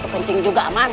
kepencing juga aman